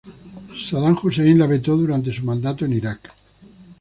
Sadam Hussein la vetó durante su mandato en Irak.